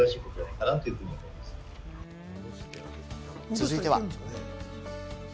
続いては。